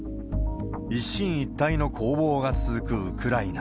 一進一退の攻防が続くウクライナ。